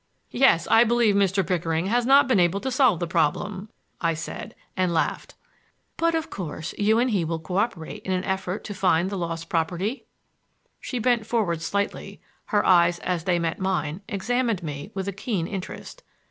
"Yes, I believe Mr. Pickering has not been able to solve the problem," I said and laughed. "But, of course, you and he will coöperate in an effort to find the lost property." She bent forward slightly; her eyes, as they met mine, examined me with a keen interest.